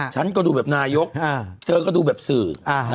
ฉันก็ดูแบบนายกเธอก็ดูแบบสื่อ